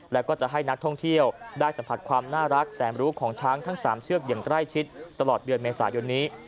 แล้วก็จะให้นักท่องเที่ยวได้สัมผัสความน่ารักแสนรู้ของช้างทั้ง๓เชือกอย่างใกล้ชิดตลอดเดือนเมษายนนี้